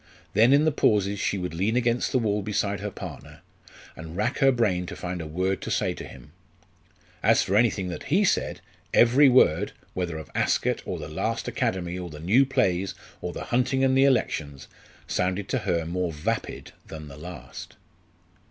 Then in the pauses she would lean against the wall beside her partner, and rack her brain to find a word to say to him. As for anything that he said, every word whether of Ascot, or the last Academy, or the new plays, or the hunting and the elections sounded to her more vapid than the last.